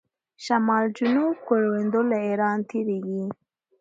شمال جنوب کوریډور له ایران تیریږي.